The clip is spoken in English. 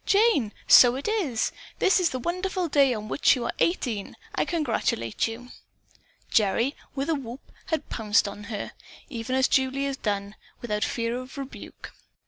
"Jane, so it is! This is the wonderful day on which you are eighteen. I congratulate you!" Gerry, with a whoop, had pounced upon her, even as Julie had done, without fear of rebuke.